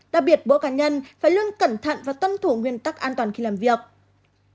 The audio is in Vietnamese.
đặc biệt mỗi cá nhân phải luôn cẩn thận và tuân thủ nguyên tắc an toàn khi làm việc